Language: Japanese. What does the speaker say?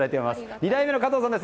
２代目の加藤さんです。